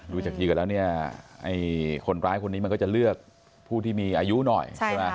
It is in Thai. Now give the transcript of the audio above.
ดูจากเกียรติแล้วคนร้ายคนนี้มันก็จะเลือกผู้ที่มีอายุหน่อย